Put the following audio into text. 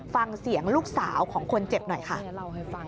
ฟังเสียงลูกสาวของคนเจ็บหน่อยค่ะ